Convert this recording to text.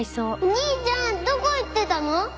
お兄ちゃんどこ行ってたの？